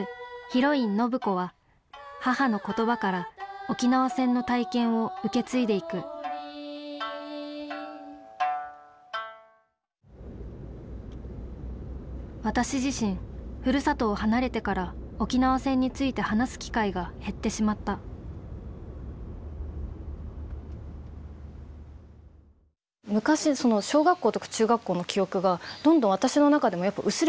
ヒロイン暢子は母の言葉から沖縄戦の体験を受け継いでいく私自身ふるさとを離れてから沖縄戦について話す機会が減ってしまった昔小学校とか中学校の記憶がどんどん私の中でもやっぱ薄れてきちゃうんです。